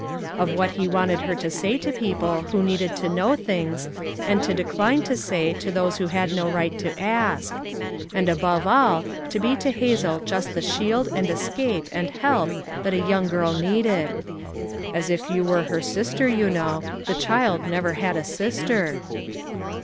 Of what he wanted her to say to people who needed to know things, and to decline to say to those who had no right to ask; and above all to he to Hazel just the shield and escape and help that a young girl needed. " As if you were her sister, you know; the child never had a sister.